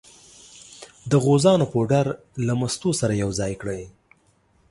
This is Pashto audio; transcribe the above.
د غوزانو پوډر له مستو سره یو ځای کړئ.